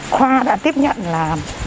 khoa đã tiếp nhận là